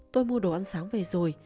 tôi mua đồ ăn sáng về rồi